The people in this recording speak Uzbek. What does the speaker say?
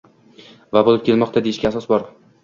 va bo‘lib kelmoqda, deyishga asos bor.